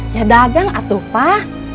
ya dagang atuh pak